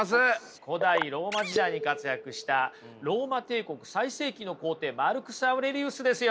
古代ローマ時代に活躍したローマ帝国最盛期の皇帝マルクス・アウレリウスですよ。